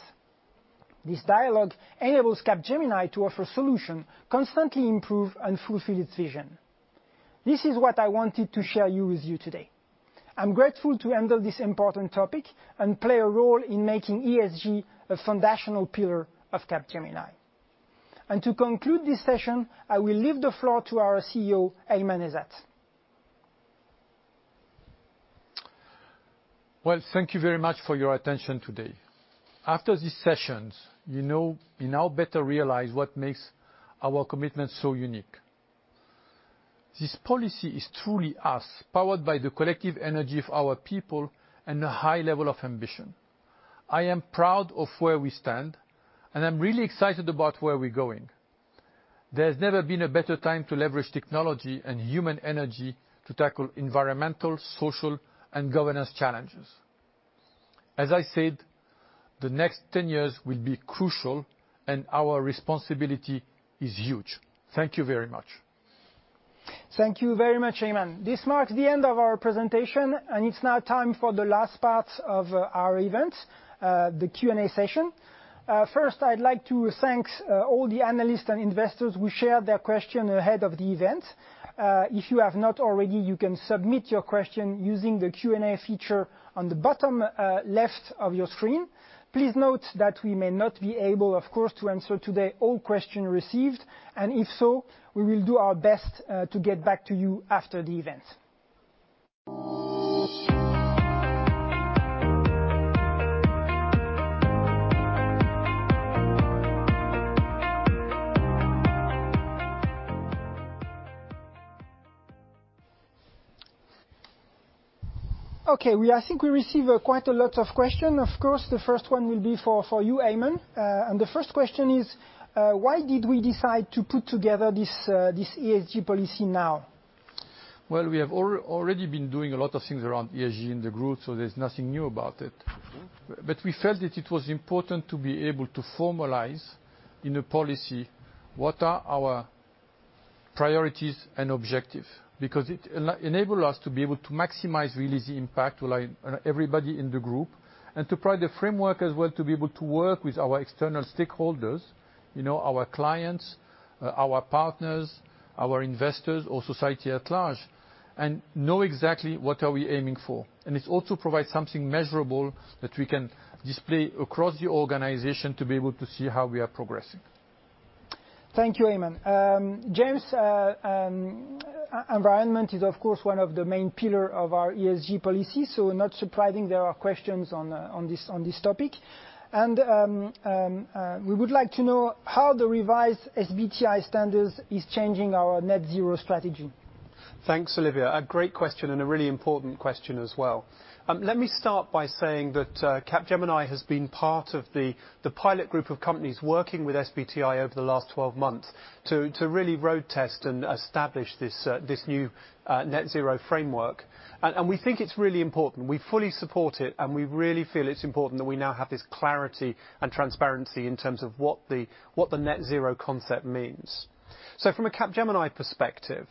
This dialogue enables Capgemini to offer solutions, constantly improve and fulfill its vision. This is what I wanted to share with you today. I'm grateful to handle this important topic and play a role in making ESG a foundational pillar of Capgemini. To conclude this session, I will leave the floor to our CEO, Aiman Ezzat. Thank you very much for your attention today. After these sessions, you now better realize what makes our commitment so unique. This policy is truly us, powered by the collective energy of our people and a high level of ambition. I am proud of where we stand, and I'm really excited about where we're going. There's never been a better time to leverage technology and human energy to tackle environmental, social, and governance challenges. As I said, the next 10 years will be crucial, and our responsibility is huge. Thank you very much. Thank you very much, Aiman. This marks the end of our presentation, and it's now time for the last part of our event, the Q&A session. First, I'd like to thank all the analysts and investors who shared their question ahead of the event. If you have not already, you can submit your question using the Q&A feature on the bottom left of your screen. Please note that we may not be able, of course, to answer today all questions received. If so, we will do our best to get back to you after the event. Okay, I think we received quite a lot of questions. Of course, the first one will be for you, Aiman. The first question is, why did we decide to put together this ESG policy now? We have already been doing a lot of things around ESG in the group, so there is nothing new about it. We felt that it was important to be able to formalize in a policy what are our priorities and objectives because it enables us to be able to maximize really the impact on everybody in the group and to provide the framework as well to be able to work with our external stakeholders, our clients, our partners, our investors, or society at large, and know exactly what are we aiming for. It also provides something measurable that we can display across the organization to be able to see how we are progressing. Thank you, Aiman. James, environment is, of course, one of the main pillars of our ESG policy, so not surprising there are questions on this topic. We would like to know how the revised SBTi standards are changing our Net Zero Strategy. Thanks, Olivier. A great question and a really important question as well. Let me start by saying that Capgemini has been part of the pilot group of companies working with SBTi over the last 12 months to really road-test and establish this new net-zero framework. We think it's really important. We fully support it, and we really feel it's important that we now have this clarity and transparency in terms of what the net-zero concept means. From a Capgemini perspective,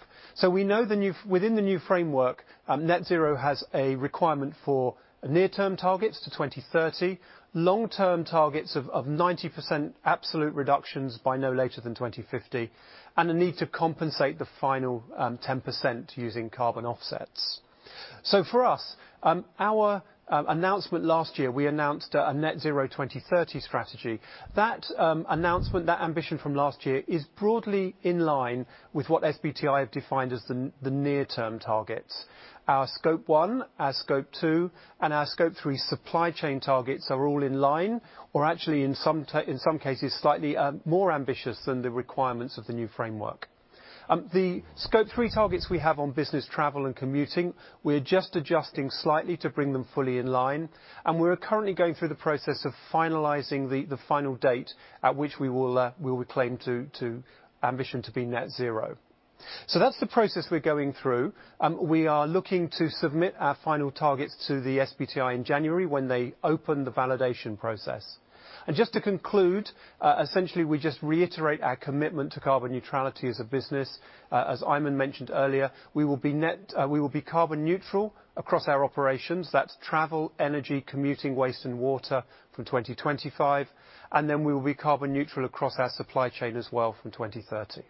we know within the new framework, net-zero has a requirement for near-term targets to 2030, long-term targets of 90% absolute reductions by no later than 2050, and a need to compensate the final 10% using carbon offsets. For us, our announcement last year, we announced a Net Zero 2030 Strategy. That announcement, that ambition from last year is broadly in line with what SBTi have defined as the near-term targets. Our scope one, our scope two, and our scope three supply chain targets are all in line, or actually in some cases slightly more ambitious than the requirements of the new framework. The scope three targets we have on business travel and commuting, we're just adjusting slightly to bring them fully in line. We are currently going through the process of finalizing the final date at which we will claim to ambition to be net zero. That is the process we're going through. We are looking to submit our final targets to the SBTi in January when they open the validation process. Just to conclude, essentially, we just reiterate our commitment to carbon neutrality as a business. As Aiman mentioned earlier, we will be carbon neutral across our operations. That's travel, energy, commuting, waste, and water from 2025. We will be carbon neutral across our supply chain as well from 2030.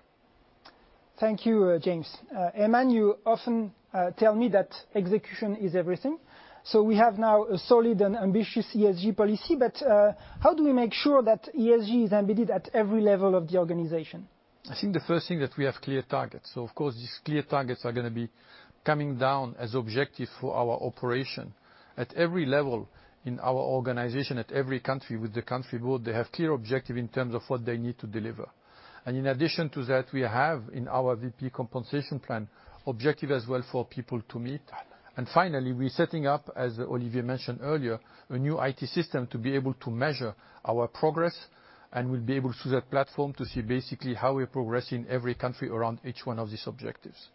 Thank you, James. Aiman, you often tell me that execution is everything. We have now a solid and ambitious ESG policy, but how do we make sure that ESG is embedded at every level of the organization? I think the first thing that we have clear targets. Of course, these clear targets are going to be coming down as objectives for our operation at every level in our organization, at every country with the country board. They have clear objectives in terms of what they need to deliver. In addition to that, we have in our VP compensation plan objectives as well for people to meet. Finally, we're setting up, as Olivier mentioned earlier, a new IT system to be able to measure our progress. We'll be able to use that platform to see basically how we're progressing in every country around each one of these objectives.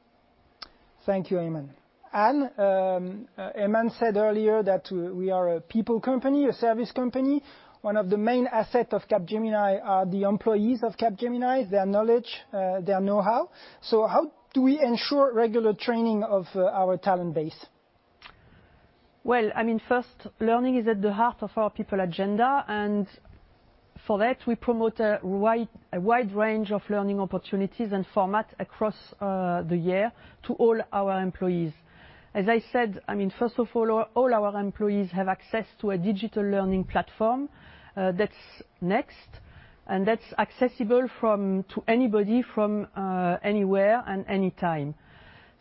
Thank you, Aiman. Aiman said earlier that we are a people company, a service company. One of the main assets of Capgemini are the employees of Capgemini, their knowledge, their know-how. How do we ensure regular training of our talent base? I mean, first, learning is at the heart of our people agenda. For that, we promote a wide range of learning opportunities and formats across the year to all our employees. As I said, I mean, first of all, all our employees have access to a digital learning platform that's Next, and that's accessible to anybody from anywhere and any time.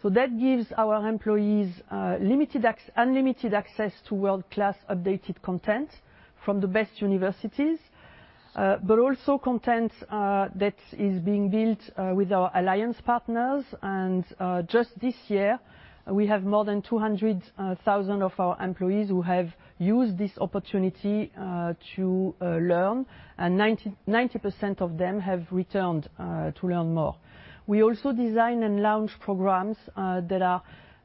That gives our employees unlimited access to world-class updated content from the best universities, but also content that is being built with our alliance partners. Just this year, we have more than 200,000 of our employees who have used this opportunity to learn, and 90% of them have returned to learn more. We also design and launch programs that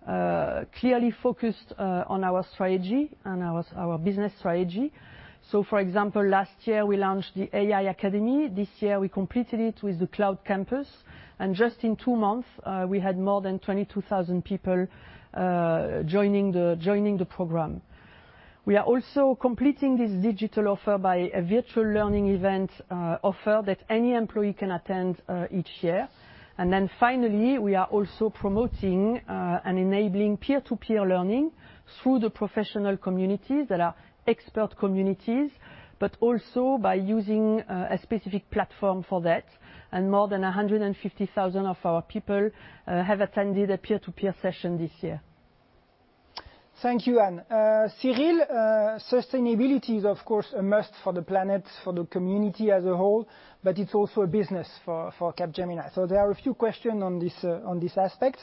are clearly focused on our strategy and our business strategy. For example, last year, we launched the AI Academy. This year, we completed it with the Cloud Campus. In just two months, we had more than 22,000 people joining the program. We are also completing this digital offer by a virtual learning event offer that any employee can attend each year. Finally, we are also promoting and enabling peer-to-peer learning through the professional communities that are expert communities, but also by using a specific platform for that. More than 150,000 of our people have attended a peer-to-peer session this year. Thank you, Anne. Cyril, sustainability is, of course, a must for the planet, for the community as a whole, but it's also a business for Capgemini. There are a few questions on this aspect.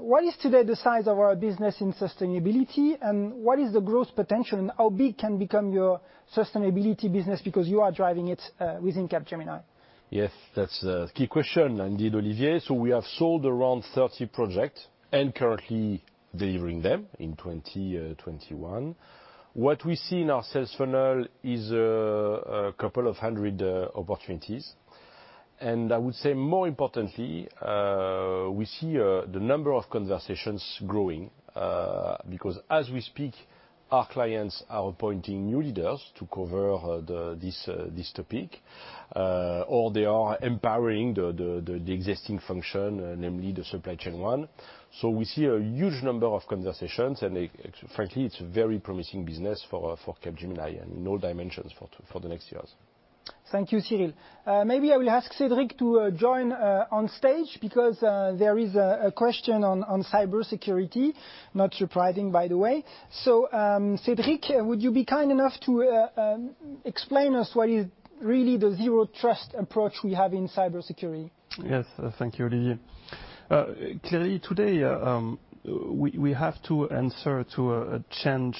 What is today the size of our business in sustainability, and what is the growth potential, and how big can become your sustainability business because you are driving it within Capgemini? Yes, that's a key question, indeed, Olivier. We have sold around 30 projects and are currently delivering them in 2021. What we see in our sales funnel is a couple of hundred opportunities. I would say, more importantly, we see the number of conversations growing because as we speak, our clients are appointing new leaders to cover this topic, or they are empowering the existing function, namely the supply chain one. We see a huge number of conversations, and frankly, it's a very promising business for Capgemini and in all dimensions for the next years. Thank you, Cyril. Maybe I will ask Cédric to join on stage because there is a question on cybersecurity, not surprising, by the way. Cédric, would you be kind enough to explain to us what is really the Zero Trust approach we have in cybersecurity? Yes, thank you, Olivier. Clearly, today, we have to answer to a change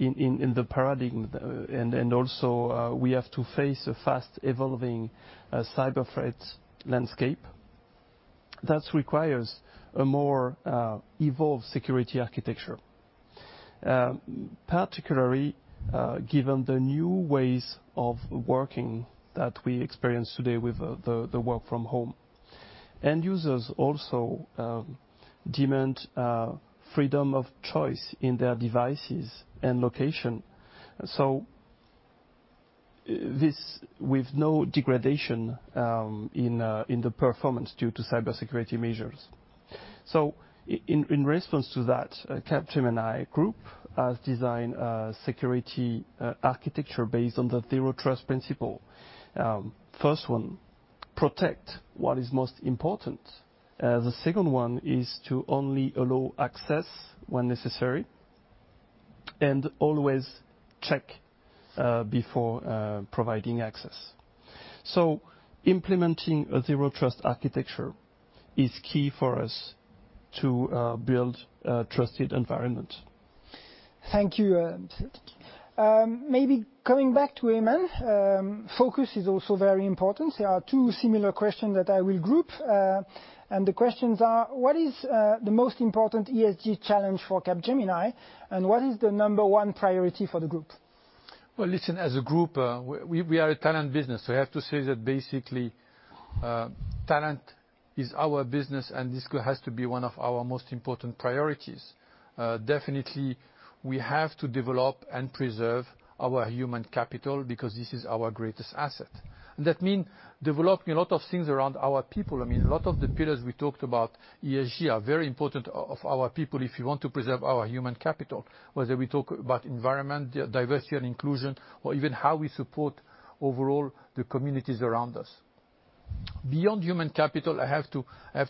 in the paradigm, and also we have to face a fast-evolving cyber threat landscape that requires a more evolved security architecture, particularly given the new ways of working that we experience today with the work from home. End users also demand freedom of choice in their devices and location. This with no degradation in the performance due to cybersecurity measures. In response to that, Capgemini Group has designed a security architecture based on the Zero Trust principle. First one, protect what is most important. The second one is to only allow access when necessary and always check before providing access. Implementing a Zero Trust architecture is key for us to build a trusted environment. Thank you, Cédric. Maybe coming back to Aiman, focus is also very important. There are two similar questions that I will group. The questions are, what is the most important ESG challenge for Capgemini, and what is the number one priority for the group? As a group, we are a talent business. I have to say that basically, talent is our business, and this has to be one of our most important priorities. Definitely, we have to develop and preserve our human capital because this is our greatest asset. That means developing a lot of things around our people. I mean, a lot of the pillars we talked about, ESG, are very important for our people if we want to preserve our human capital, whether we talk about environment, diversity, and inclusion, or even how we support overall the communities around us. Beyond human capital, I have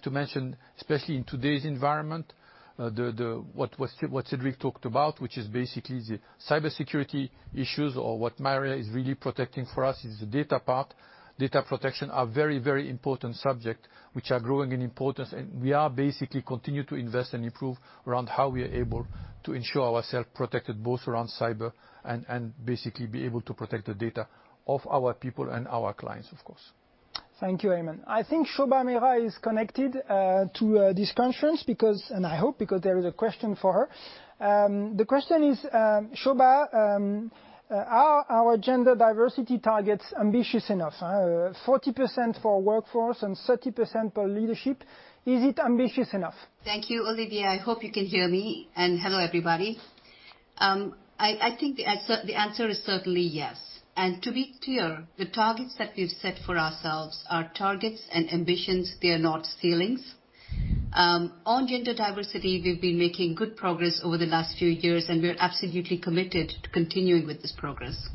to mention, especially in today's environment, what Cédric talked about, which is basically the cybersecurity issues, or what my area is really protecting for us is the data part. Data protection is a very, very important subject which is growing in importance. We are basically continuing to invest and improve around how we are able to ensure ourselves protected both around cyber and basically be able to protect the data of our people and our clients, of course. Thank you, Aiman. I think Shobha Meera is connected to this conference, and I hope because there is a question for her. The question is, Shobha, are our gender diversity targets ambitious enough? 40% for workforce and 30% for leadership, is it ambitious enough? Thank you, Olivier. I hope you can hear me. Hello, everybody. I think the answer is certainly yes. To be clear, the targets that we've set for ourselves are targets and ambitions. They are not ceilings. On gender diversity, we've been making good progress over the last few years, and we are absolutely committed to continuing with this progress.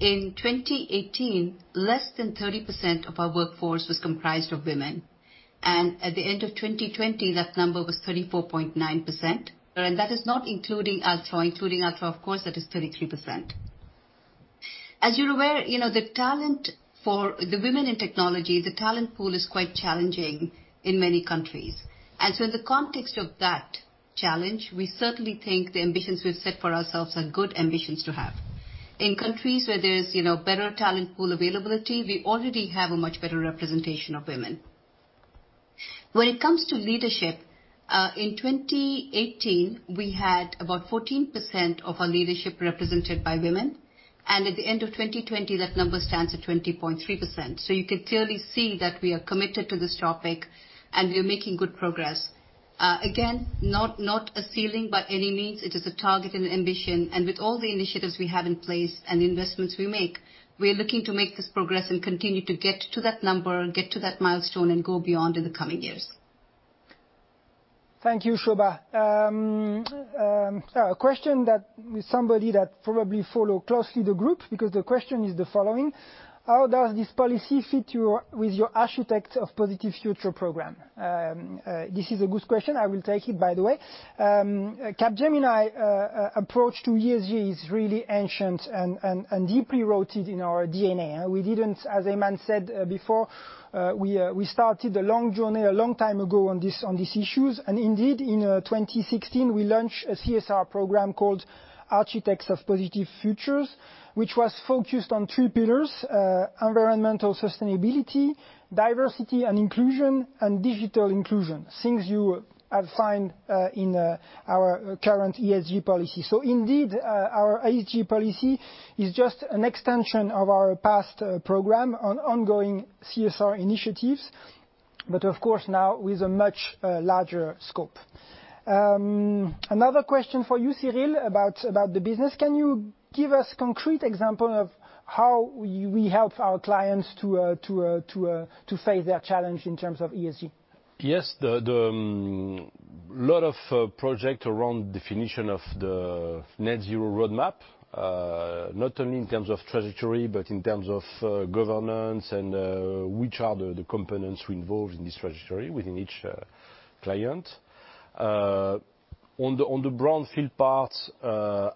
In 2018, less than 30% of our workforce was comprised of women. At the end of 2020, that number was 34.9%. That is not including Altran. Including Altran, of course, that is 33%. As you're aware, the talent for the women in technology, the talent pool is quite challenging in many countries. In the context of that challenge, we certainly think the ambitions we've set for ourselves are good ambitions to have. In countries where there is better talent pool availability, we already have a much better representation of women. When it comes to leadership, in 2018, we had about 14% of our leadership represented by women. At the end of 2020, that number stands at 20.3%. You can clearly see that we are committed to this topic, and we are making good progress. Again, not a ceiling by any means. It is a target and an ambition. With all the initiatives we have in place and the investments we make, we are looking to make this progress and continue to get to that number, get to that milestone, and go beyond in the coming years. Thank you, Shobha. A question that somebody that probably followed closely the group, because the question is the following: How does this policy fit with your Architect of Positive Future program? This is a good question. I will take it, by the way. Capgemini approach to ESG is really ancient and deeply rooted in our DNA. As Aiman said before, we started a long journey a long time ago on these issues. Indeed, in 2016, we launched a CSR program called Architects of Positive Futures, which was focused on three pillars: environmental sustainability, diversity and inclusion, and digital inclusion, things you have found in our current ESG policy. Indeed, our ESG policy is just an extension of our past program on ongoing CSR initiatives, but of course, now with a much larger scope. Another question for you, Cyril, about the business. Can you give us a concrete example of how we help our clients to face their challenge in terms of ESG? Yes. A lot of projects around the definition of the net zero roadmap, not only in terms of trajectory, but in terms of governance and which are the components we involve in this trajectory within each client. On the brownfield part,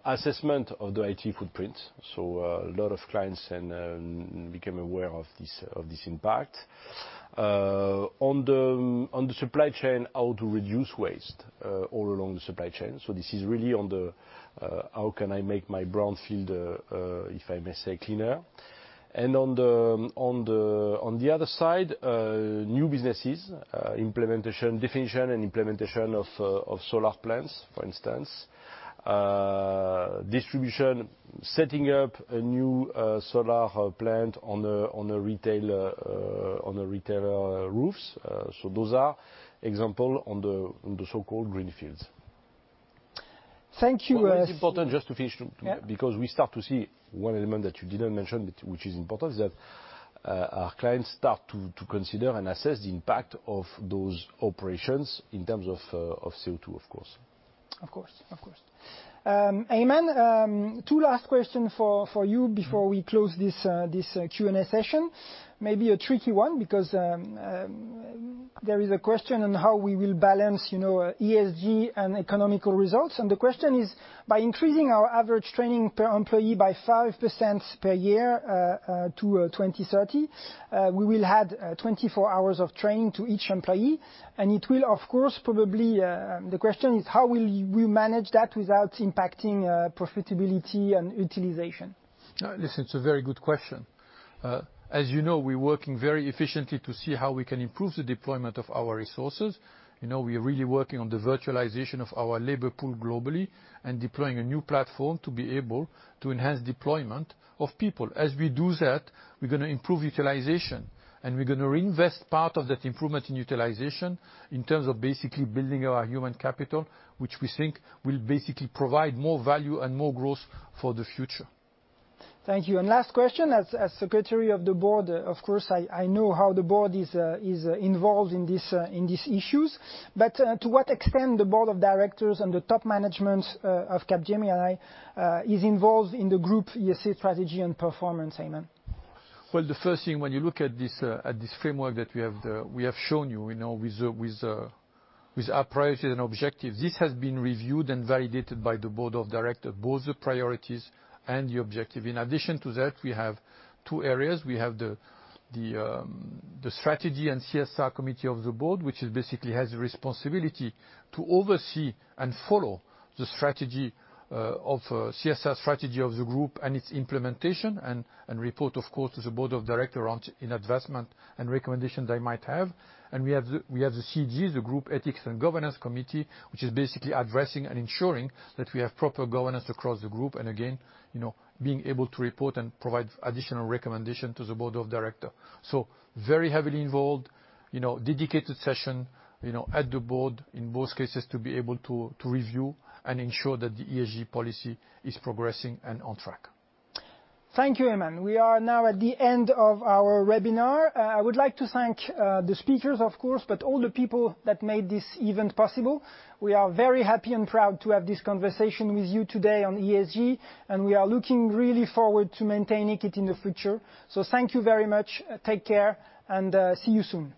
assessment of the IT footprint. A lot of clients became aware of this impact. On the supply chain, how to reduce waste all along the supply chain. This is really on the, how can I make my brownfield, if I may say, cleaner? On the other side, new businesses, implementation, definition and implementation of solar plants, for instance, distribution, setting up a new solar plant on retailer roofs. Those are examples on the so-called greenfields. Thank you. It is important just to finish because we start to see one element that you did not mention, which is important, is that our clients start to consider and assess the impact of those operations in terms of CO2, of course. Of course, of course. Aiman, two last questions for you before we close this Q&A session. Maybe a tricky one because there is a question on how we will balance ESG and economical results. The question is, by increasing our average training per employee by 5% per year to 2030, we will have 24 hours of training to each employee. It will, of course, probably the question is, how will we manage that without impacting profitability and utilization? Listen, it's a very good question. As you know, we're working very efficiently to see how we can improve the deployment of our resources. We are really working on the virtualization of our labor pool globally and deploying a new platform to be able to enhance deployment of people. As we do that, we're going to improve utilization, and we're going to reinvest part of that improvement in utilization in terms of basically building our human capital, which we think will basically provide more value and more growth for the future. Thank you. Last question, as Secretary of the Board, of course, I know how the board is involved in these issues. To what extent are the board of directors and the top management of Capgemini involved in the group ESG strategy and performance, Aiman? The first thing, when you look at this framework that we have shown you with our priorities and objectives, this has been reviewed and validated by the board of directors, both the priorities and the objectives. In addition to that, we have two areas. We have the strategy and CSR committee of the board, which basically has the responsibility to oversee and follow the CSR strategy of the group and its implementation and report, of course, to the board of directors on advancement and recommendations they might have. We have the CG, the Group Ethics and Governance Committee, which is basically addressing and ensuring that we have proper governance across the group and, again, being able to report and provide additional recommendations to the board of directors. Very heavily involved, dedicated session at the board in both cases to be able to review and ensure that the ESG policy is progressing and on track. Thank you, Aiman. We are now at the end of our webinar. I would like to thank the speakers, of course, but all the people that made this event possible. We are very happy and proud to have this conversation with you today on ESG, and we are looking really forward to maintaining it in the future. Thank you very much. Take care and see you soon.